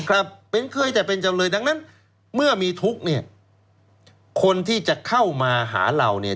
ครับเป็นเคยแต่เป็นจำเลยดังนั้นเมื่อมีทุกข์เนี่ยคนที่จะเข้ามาหาเราเนี่ย